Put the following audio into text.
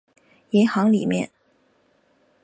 银行里面